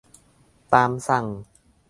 ตามสั่ง